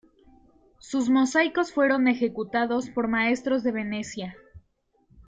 Sus mosaicos fueron ejecutados por maestros de Venecia.